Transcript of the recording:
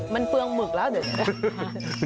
มันเปลืองหมึกแล้วเดี๋ยว